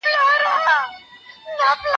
زه به سبا د ژبي تمرين کوم،